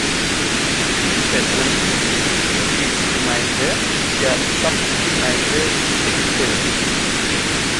Evessen ist Mitgliedsgemeinde der Samtgemeinde Sickte.